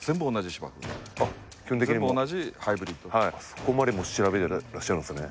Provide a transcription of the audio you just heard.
そこまで調べてらっしゃるんですよね。